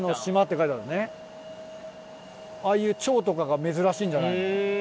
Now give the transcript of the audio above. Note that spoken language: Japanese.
ああいうチョウとかが珍しいんじゃないの？